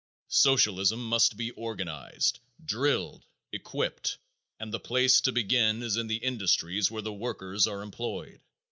Socialism must be organized, drilled, equipped, and the place to begin is in the industries where the workers are employed.